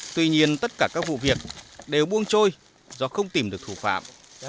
tuy nhiên tất cả các vụ việc đều buông trôi do không tìm được thủ phạm